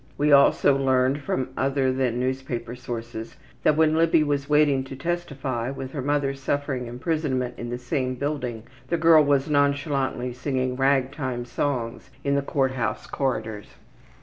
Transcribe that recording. We also learned from other than newspaper sources that when Libby was waiting to testify, with her mother suffering imprisonment in the same building, the girl was nonchalantly singing ragtime songs in the court house corridors.